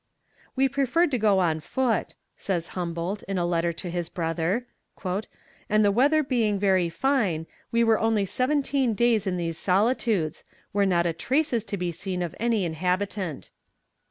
"We preferred to go on foot," says Humboldt in a letter to his brother, "and the weather being very fine we were only seventeen days in these solitudes, where not a trace is to be seen of any inhabitant.